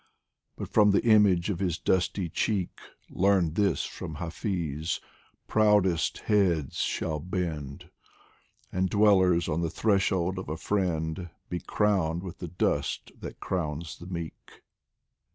But from the image of his dusty cheek Learn this from Hafiz : proudest heads shall bend, And dwellers on the threshold of a friend Be crowned with the dust that crowns the meek.